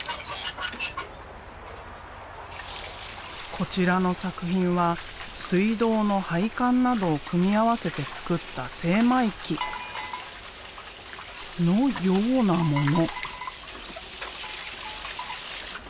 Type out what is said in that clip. こちらの作品は水道の配管などを組み合わせて作った精米機のようなもの。